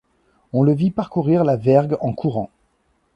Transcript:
On le vit parcourir la vergue en courant.